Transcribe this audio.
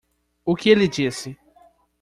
O que ele disse?